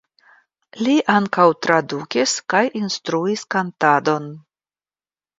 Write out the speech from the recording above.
Li ankaŭ tradukis kaj instruis kantadon.